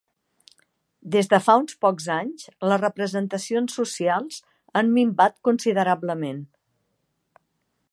Des de fa uns pocs anys, les representacions socials ha minvat considerablement.